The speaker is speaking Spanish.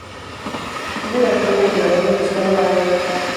Es el actual gobernador del estado Aragua.